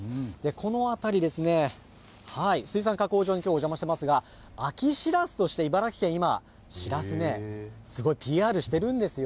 この辺りですね水産加工場にきょうはお邪魔していますが秋しらすとして茨城県今しらすねすごいＰＲしているんですよ。